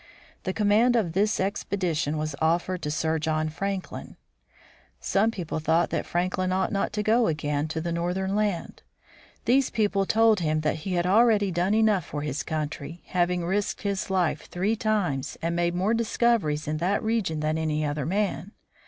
The command of this expedition was offered to Sir John Franklin. Some people thought that Franklin ought not to go 25 26 THE FROZEN NORTH again to the northern land. These people told him that he had already done enough for his country, having risked his life three times, and made more discoveries in that region than any other man.